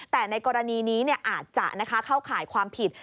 แต่ในกรณีนี้อาจจะเข้าข่ายความผิด